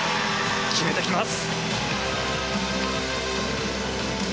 決めてきます。